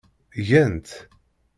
Gan-tt.